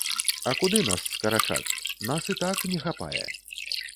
А куды нас скарачаць, нас і так не хапае.